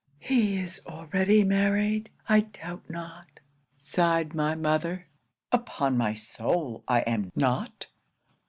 '"He is already married, I doubt not," sighed my mother. '"Upon my soul I am not."